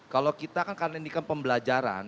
kalau kita kan karena ini kan pembelajaran